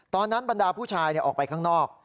บรรดาผู้ชายออกไปข้างนอก